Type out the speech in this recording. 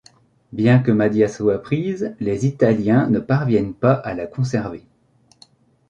Bien que Mahdia soit prise, les Italiens ne parviennent pas à la conserver.